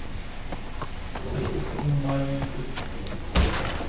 Es ist nun mal, wie es ist.